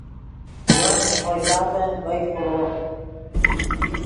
ون ژے خوئے تاتن بیګ خوڑو